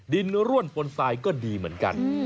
ดินเนื้อร่วมผลไซด์ก็ดีเหมือนกัน